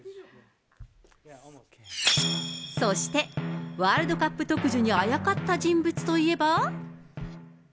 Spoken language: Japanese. そして、ワールドカップ特需にあやかった人物といえば。